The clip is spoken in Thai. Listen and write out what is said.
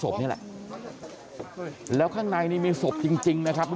พ่อขออนุญาต